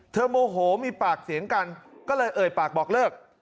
โมโหมีปากเสียงกันก็เลยเอ่ยปากบอกเลิก